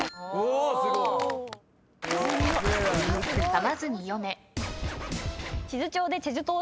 かまずに読め。